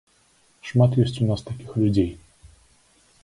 Шмат ёсць у нас такіх людзей.